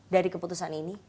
dari keputusan ini